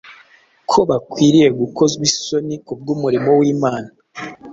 ko bakwiriye gukozwa isoni kubw’umurimo w’Imana.